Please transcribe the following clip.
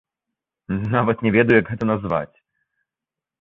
Нават не ведаю, як гэта назваць.